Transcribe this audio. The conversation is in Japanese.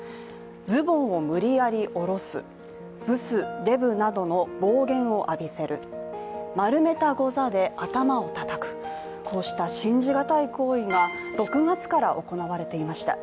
ズボンを無理やりおろす、ブス、デブなどの暴言を浴びせる、丸めたござで頭をたたく、こうした信じ難い行為が６月から行われていました。